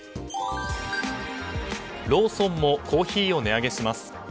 ローソンもコーヒーを値上げします。